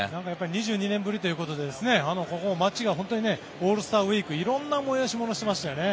２２年ぶりということでここ、街が、本当にオールスターウィーク色んな催し物をしてましたよね。